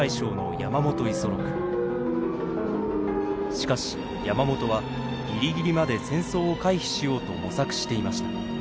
しかし山本はギリギリまで戦争を回避しようと模索していました。